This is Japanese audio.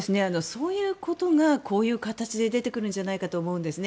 そういうことがこういう形で出てくるんじゃないかと思うんです。